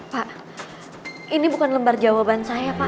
pak ini bukan lembar jawaban saya pak